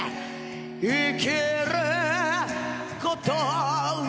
「生きることは」